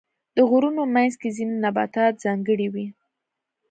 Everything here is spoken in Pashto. د غرونو منځ کې ځینې نباتات ځانګړي وي.